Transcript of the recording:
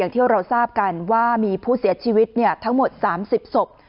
ที่เราทราบกันว่ามีผู้เสียชีวิตทั้งหมด๓๐ศพ